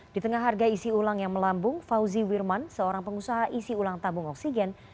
di tengah harga isi ulang yang melambung fauzi wirman seorang pengusaha isi ulang tabung oksigen